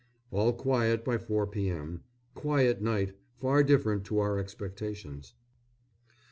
All quiet by 4 p.m. Quiet night far different to our expectations.